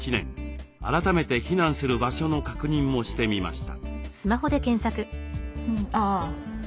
改めて避難する場所の確認もしてみました。